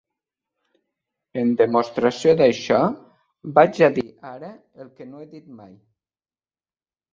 En demostració d'això, vaig a dir ara el que no he dit mai.